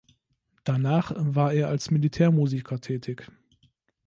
Danach war er als Militärmusiker tätig.